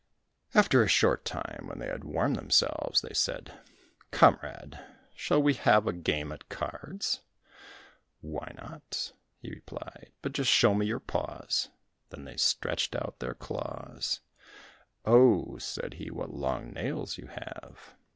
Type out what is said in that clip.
After a short time, when they had warmed themselves, they said, "Comrade, shall we have a game at cards?" "Why not?" he replied, "but just show me your paws." Then they stretched out their claws. "Oh," said he, "what long nails you have!